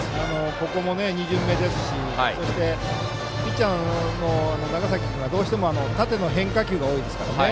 ここは２巡目ですしピッチャーの長崎君がどうしても縦の変化球が多いですから。